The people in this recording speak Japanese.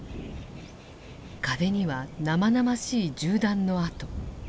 壁には生々しい銃弾の痕。